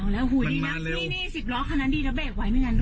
โอ้โหดีนะนี่๑๐ล้อคันนั้นดีแล้วเบรกไว้ไม่งั้น